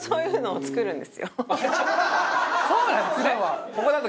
そうなんですね！